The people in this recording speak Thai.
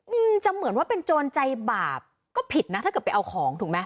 อืมจะเหมือนว่าเป็นโจรใจบาปก็ผิดนะถ้าเกิดไปเอาของถูกไหม